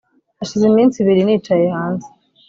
Hashize iminsi ibiri nicaye hanze